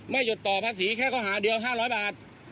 หยุดต่อภาษีแค่ข้อหาเดียว๕๐๐บาท